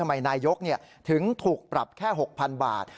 นายกถึงถูกปรับแค่๖๐๐๐บาท